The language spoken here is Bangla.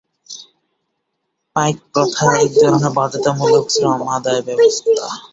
পাইক প্রথা একধরনের বাধ্যতামূলক শ্রম আদায় ব্যবস্থা।